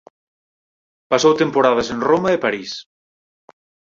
Pasou temporadas en Roma e París.